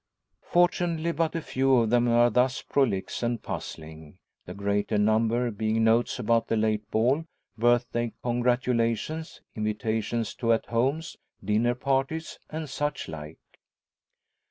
Fortunately, but a few of them are thus prolix and puzzling; the greater number being notes about the late ball, birthday congratulations, invitations to "at homes," dinner parties, and such like.